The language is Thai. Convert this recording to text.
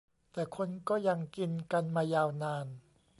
แต่คนก็ยังกินกันมายาวนาน